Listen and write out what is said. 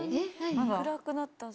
暗くなったぞ。